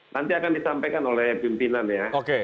nanti akan disampaikan oleh pimpinan ya